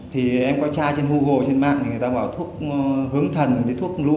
thì em có tra trên google trên mạng thì người ta bảo thuốc hướng thần thuốc lũ